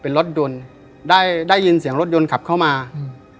เป็นรถยนต์ได้ได้ยินเสียงรถยนต์ขับเข้ามาอืม